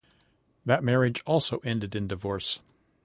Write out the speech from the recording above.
That marriage also ended in divorce.